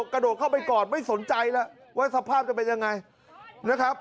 กระโดดเข้าไปกอดไม่สนใจแล้วว่าสภาพจะเป็นยังไงนะครับ